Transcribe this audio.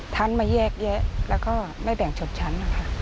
ท่านไม่แยกแยะและไม่แบ่งชนชั้น